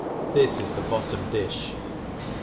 — T/jis is the bottom dijlj.